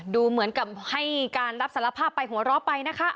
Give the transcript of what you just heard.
ดูเหมือนกับให้การรับสารภาพไปหัวเราะไปนะคะ